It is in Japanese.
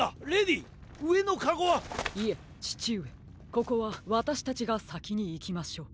ここはわたしたちがさきにいきましょう。